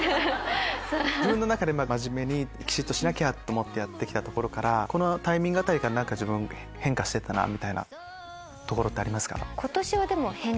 自分の中で真面目にしなきゃ！と思ってやって来たところからこのタイミングあたりから変化してったところありますか？